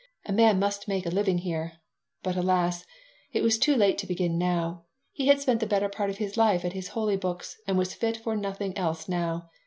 "A man must make a living here." But, alas! it was too late to begin now! He had spent the better part of his life at his holy books and was fit for nothing else now.